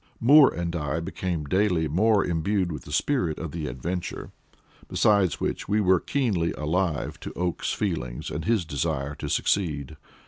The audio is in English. Moore and I became daily more imbued with the spirit of the adventure; besides which, we were keenly alive to Oakes's feelings and his desire to succeed.